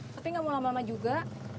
tapi gak mau lama lama juga